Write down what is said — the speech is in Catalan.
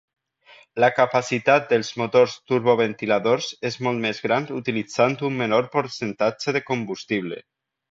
La capacitat dels motors turboventiladors és molt més gran utilitzant un menor percentatge de combustible.